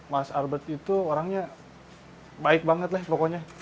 mas albert itu orangnya baik banget lah pokoknya